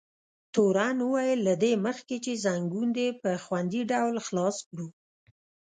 تورن وویل: له دې مخکې چې ځنګون دې په خوندي ډول خلاص کړو.